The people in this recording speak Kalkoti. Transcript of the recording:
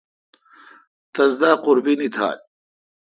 تس دا قربینی تھال۔